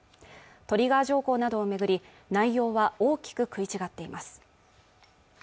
トリガー条項などを巡り内容は大きく食い違っています